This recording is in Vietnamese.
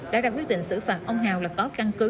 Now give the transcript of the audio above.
đã ra quyết định xử phạt ông hào là có căn cứ